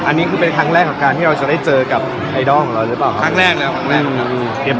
อันนี้คือเป็นครั้งแรกที่เราจะได้เจอไอดอลของเราหรอครับ